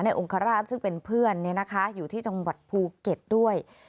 องคราชซึ่งเป็นเพื่อนอยู่ที่จังหวัดภูเก็ตด้วย